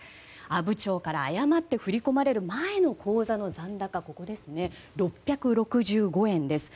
阿武町から誤って振り込まれる前の口座の残高は６６５円です。